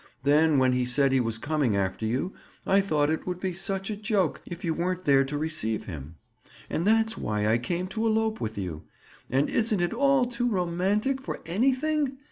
Then when he said he was coming after you, I thought it would be such a joke if you weren't there to receive him. And that's why I came to elope with you. And isn't it all too romantic for anything?